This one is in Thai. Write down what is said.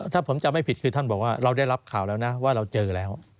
ถ้าผมจำไม่ผิดคือท่านบอกว่าเราได้รับข่าวแล้วนะว่าเราเจอแล้ว